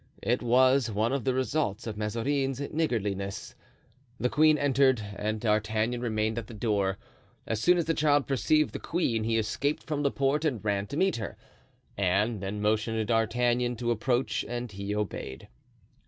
It was one of the results of Mazarin's niggardliness. The queen entered and D'Artagnan remained at the door. As soon as the child perceived the queen he escaped from Laporte and ran to meet her. Anne then motioned to D'Artagnan to approach, and he obeyed.